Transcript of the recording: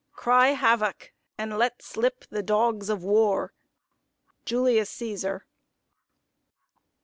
Cry Havoc! and let slip the dogs of War. JULIUS CÆSAR.